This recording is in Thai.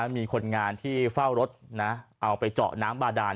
มีคนงานที่เฝ้ารถเอาไปเจาะน้ำบาดาน